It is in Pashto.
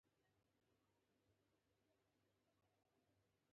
د جوس او شربت تولیدات شته